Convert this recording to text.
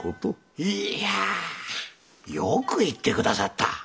いやよく言って下さった。